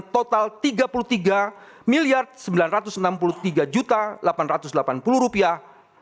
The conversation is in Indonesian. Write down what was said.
total tiga puluh tiga sembilan ratus enam puluh tiga delapan ratus delapan puluh rupiah